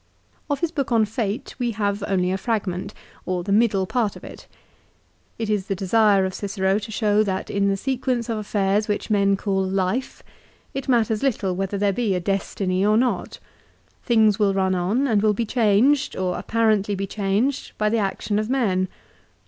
Of his book on fate we have only a fragment, or the middle part of it. It is the desire of Cicero to show that in the sequence of affairs which men call Life, it matters little whether there be a Destiny or not. Things will run on, and will be changed, or apparently be changed, by the action of men.